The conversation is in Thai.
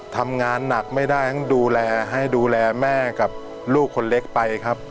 ทำงานหนักไม่ได้ต้องดูแลให้ดูแลแม่กับลูกคนเล็กไปครับ